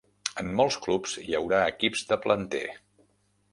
En molts clubs hi haurà equips de planter.